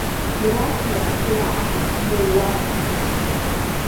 Gracias, che ra’a. Nde guápo.